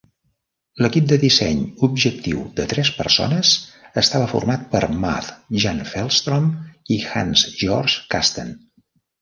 L'equip de disseny objectiu de tres persones estava format per Muth, Jan Fellstrom i Hans-Georg Kasten.